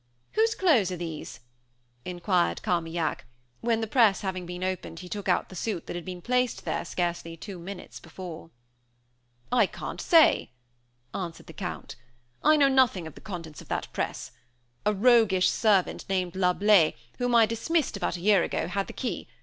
Whose clothes are these?" inquired Carmaignac, when, the press having been opened, he took out the suit that had been placed there scarcely two minutes since. "I can't say," answered the Count. "I know nothing of the contents of that press. A roguish servant, named Lablais, whom I dismissed about a year ago, had the key.